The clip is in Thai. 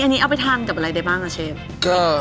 อันนี้เอาไปทานกับอะไรได้บ้างอ่ะเชฟ